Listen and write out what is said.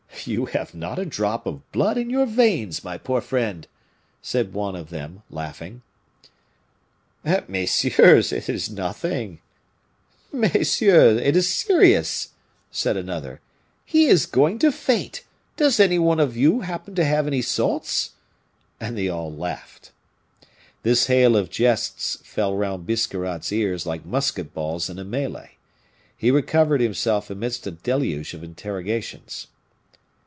"You have not a drop of blood in your veins, my poor friend," said one of them, laughing. "Messieurs, it is serious," said another, "he is going to faint; does any one of you happen to have any salts?" And they all laughed. This hail of jests fell round Biscarrat's ears like musket balls in a melee. He recovered himself amidst a deluge of interrogations.